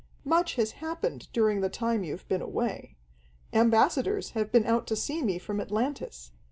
"Much has happened during the time you've been away. Ambassadors have been out to see me from Atlantis.